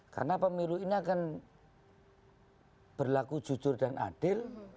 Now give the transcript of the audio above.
karena pemilu ini akan berlaku jujur dan adil